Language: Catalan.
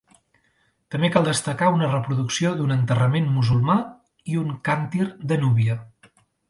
També cal destacar una reproducció d'un enterrament musulmà i un càntir de núvia.